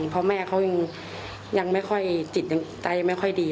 เพราะแม่เขายังไม่ค่อยจิตยังใจยังไม่ค่อยดี